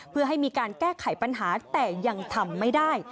เพื่อให้มีการแก้ไขปัญหาแต่ยังทำไม่ได้